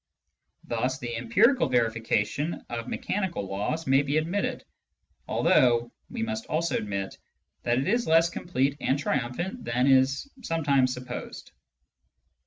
Thus the empirical verification of mechanical laws may be admitted, although we must also admit that it is less complete and triumphant than is sometimes supposed.